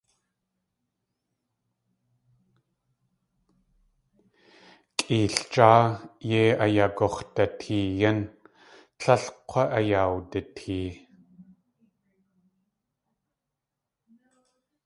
Kʼeeljáa yei ayagux̲dateeyín, tlél k̲wá ayawdatee.